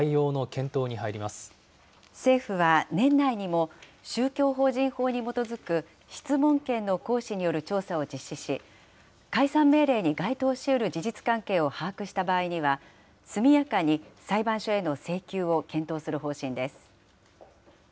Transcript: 政府は、年内にも宗教法人法に基づく質問権の行使による調査を実施し、解散命令に該当しうる事実関係を把握した場合には、速やかに裁判所への請求を検討する方針です。